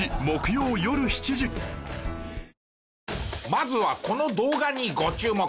まずはこの動画にご注目。